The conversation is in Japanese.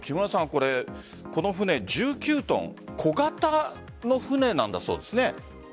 この船、１９ｔ小型の船なんだそうですね。